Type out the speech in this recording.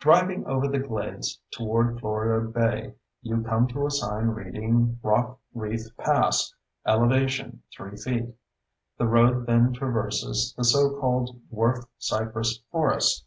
Driving over the glades toward Florida Bay, you come to a sign reading "Rock Reef Pass—Elevation 3 Feet." The road then traverses the so called dwarf cypress forest.